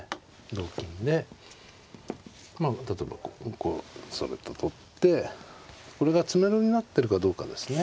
同金でまあ例えばこう取ってこれが詰めろになってるかどうかですね。